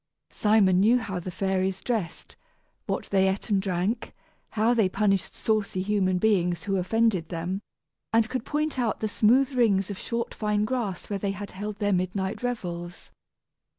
Simon knew how the fairies dressed, what they ate and drank, how they punished saucy human beings who offended them; and could point out the smooth rings of short fine grass where they had held their midnight revels.